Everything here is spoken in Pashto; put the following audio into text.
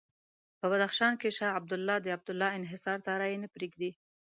په بدخشان کې شاه عبدالله د عبدالله انحصار ته رایې نه پرېږدي.